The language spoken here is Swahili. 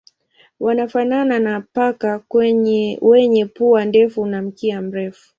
Wanafanana na paka wenye pua ndefu na mkia mrefu.